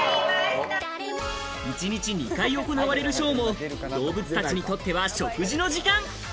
一日２回行われるショーも動物たちにとっては食事の時間。